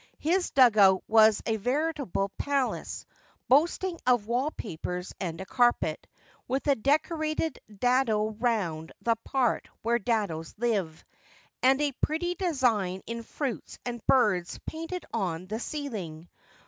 His dug out was a veritable palace, boasting of wall papers and a carpet, with a decorated dado round the part where dados live, and a pretty design in fruits and birds painted on the ceiling.